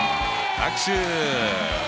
拍手。